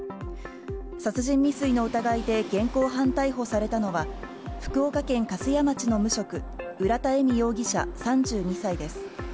殺人未遂の疑いで現行犯逮捕されたのは、福岡県粕屋町の無職、浦田恵美容疑者３２歳です。